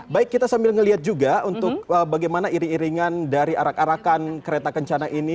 baik kita sambil melihat juga untuk bagaimana iring iringan dari arak arakan kereta kencana ini